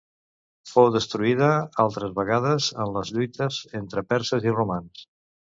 Fou destruïda altres vegades en les lluites entre perses i romans.